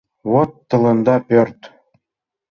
Вот тыланда пӧрт!